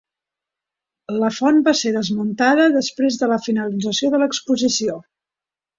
La font va ser desmuntada després de la finalització de l'Exposició.